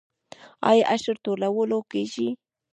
آیا عشر ټولول کیږي؟